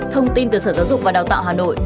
thông tin từ sở giáo dục và đào tạo hà nội